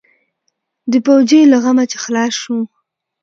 د پوجيو له غمه چې خلاص سو.